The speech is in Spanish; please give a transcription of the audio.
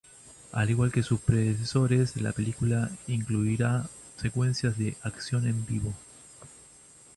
Al igual que sus predecesores, la película incluirá secuencias de acción en vivo.